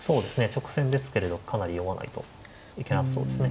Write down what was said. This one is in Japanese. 直線ですけれどかなり読まないといけなそうですね。